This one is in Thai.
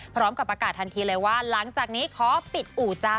พร้อมกับประกาศทันทีเลยว่าหลังจากนี้ขอปิดอู่จ้า